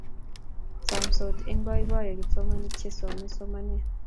somansot eng' boiboiyo kipsomaninik che chomei somanet